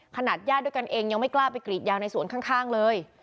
ญาติด้วยกันเองยังไม่กล้าไปกรีดยางในสวนข้างเลย